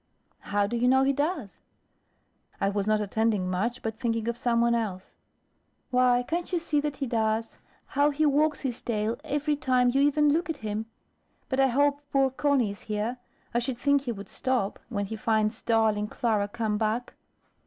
"How do you know he does?" I was not attending much, but thinking of some one else. "Why, can't you see that he does, how he wags his tail every time you even look at him? But I hope poor Conny is here. I should think he would stop, when he finds darling Clara come back."